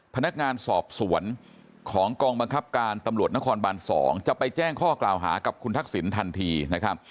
พนักงานสอบสวนของกองบังคับการตำรวจนครบาน๒จะไปแจ้งข้อกล่าวหากับคุณทักษิณทันทีนะครับ